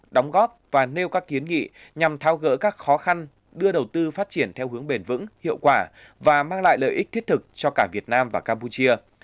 đóng góp và nêu các kiến nghị nhằm thao gỡ các khó khăn đưa đầu tư phát triển theo hướng bền vững hiệu quả và mang lại lợi ích thiết thực cho cả việt nam và campuchia